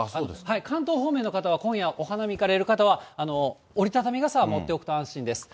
関東方面の方は今夜、お花見行かれる方は、折り畳み傘を持っていかれると安心です。